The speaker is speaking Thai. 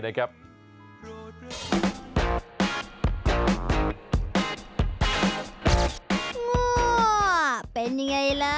เป็นยังไงล่ะ